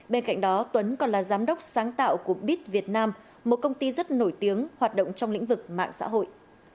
bên cạnh đó tuấn còn là giám đốc sáng tạo của bit việt nam một công ty rất nổi tiếng hoạt động trong lĩnh vực mạng xã hội